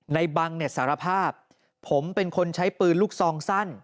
บังเนี่ยสารภาพผมเป็นคนใช้ปืนลูกซองสั้น